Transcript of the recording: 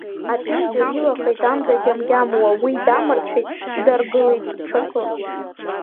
Аԥенџьыр илахеит амза гьамгьамуа уи дамырцәеит, даргылеит ҽакы.